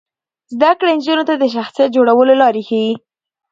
زده کړه نجونو ته د شخصیت جوړولو لارې ښيي.